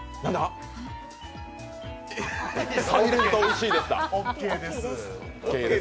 サイレントおいしいですか？